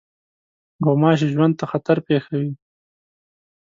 غوماشې ژوند ته خطر پېښوي.